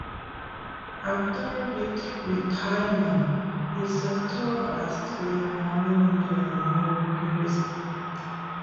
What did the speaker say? After his retirement he settled at Glen Morgan in the Nilgiris.